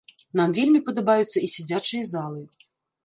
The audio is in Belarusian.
Нам вельмі падабаюцца і сядзячыя залы.